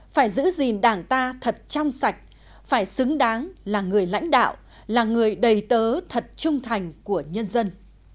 phải giữ gìn đảng ta thật trong sạch phải xứng đáng là người lãnh đạo là người đầy tớ thật trung thành của nhân dân